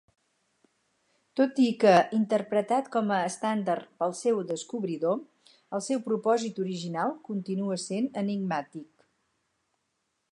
Tot i que interpretat com a estàndard pel seu descobridor, el seu propòsit original continua sent enigmàtic.